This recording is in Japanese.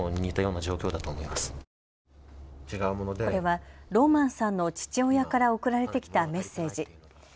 これはローマンさんの父親から送られてきたメッセージ。